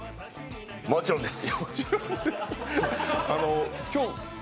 もちろんです。